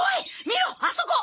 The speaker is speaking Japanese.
見ろあそこ！